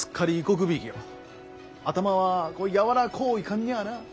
頭は柔らこういかんにゃなぁ。